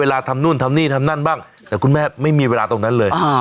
แล้วในยุคนั้นสมัยนั้น